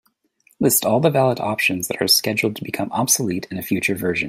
List all the valid options that are scheduled to become obsolete in a future version.